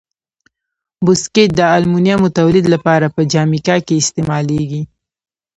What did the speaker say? بوکسیت د المونیمو تولید لپاره په جامیکا کې استعمالیږي.